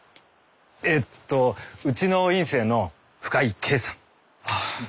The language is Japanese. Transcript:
えっとうちの院生の深井京さん。